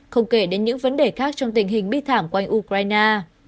không kể đến những vấn đề khác trong tình hình bi thảm quanh ukraine